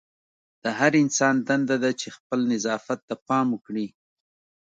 د هر انسان دنده ده چې خپل نظافت ته پام وکړي.